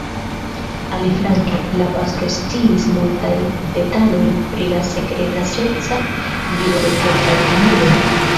Aliflanke, la pastro sciis multajn detalojn pri la sekreta seksa vivo de kelkaj famuloj.